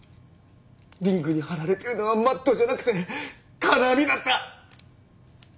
リングに張られてるのはマットじゃなくて金網だった。